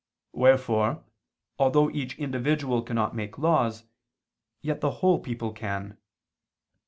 Wherefore although each individual cannot make laws, yet the whole people can.